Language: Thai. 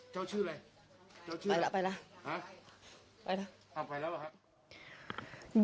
เจ้าชื่ออะไรเจ้าชื่ออะไรไปล่ะไปล่ะไปล่ะไปล่ะอ้าวไปแล้วเหรอครับ